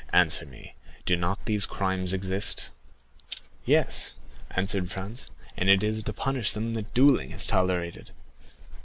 Answer me, do not these crimes exist?" "Yes," answered Franz; "and it is to punish them that duelling is tolerated."